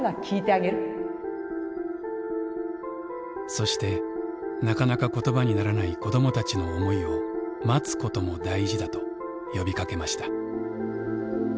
そしてなかなか言葉にならない子どもたちの思いを待つことも大事だと呼びかけました。